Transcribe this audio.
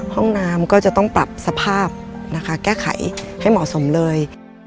ห้องน้ำก็จะต้องปรับสภาพนะคะแก้ไขให้เหมาะสมเลย